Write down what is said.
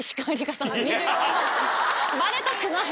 バレたくない。